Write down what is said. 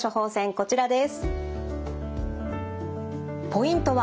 こちらです。